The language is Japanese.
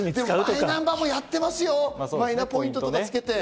でもマイナンバーもやってますよ、マイナポイントとかつけて。